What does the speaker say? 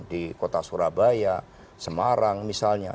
di kota surabaya semarang misalnya